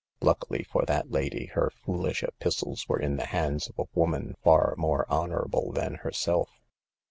Luckily for that lady, her foolish epistles were in the hands of a woman far more honorable than herself.